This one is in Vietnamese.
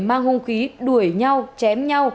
mang hung khí đuổi nhau chém